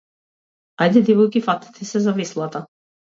Ајде девојки фатете се за веслата.